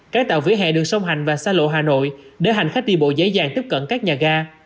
cải tạo vỉa hè đường sông hành và xa lộ hà nội để hành khách đi bộ dễ dàng tiếp cận các nhà ga